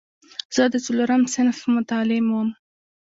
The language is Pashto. زه د څلورم صنف متعلم وم.